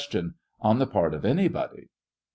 On the part of anybody ? A.